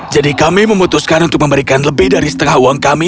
jadi kami memutuskan untuk memberikan lebih dari setengah uang kami